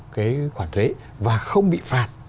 cái khoản thuế và không bị phạt